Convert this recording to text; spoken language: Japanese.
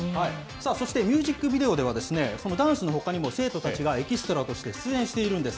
そしてミュージックビデオでは、そのダンスのほかにも、生徒たちがエキストラとして出演しているんです。